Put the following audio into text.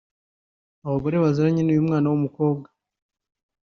Abagore baziranye n’uyu mwana w’umukobwa